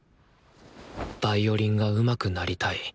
「ヴァイオリンがうまくなりたい」